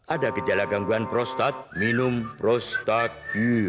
ada gejala gangguan prostat minum prostagil